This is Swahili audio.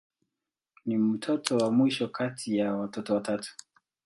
Ni mtoto wa mwisho kati ya watoto watatu.